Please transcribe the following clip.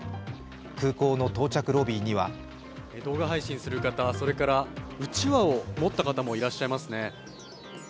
空港の到着ロビーには動画配信する方、それから、うちわを持った方もいらっしゃいますね。